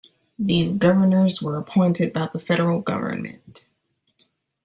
These governors were appointed by the Federal government.